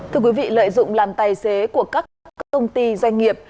thưa quý vị lợi dụng làm tài xế của các công ty doanh nghiệp